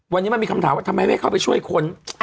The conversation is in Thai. วันนี้มันมีคำถามว่าทำไมไม่เข้าไปช่วยคน